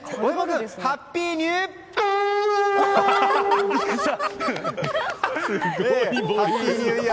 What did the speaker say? ハッピーニューイヤー！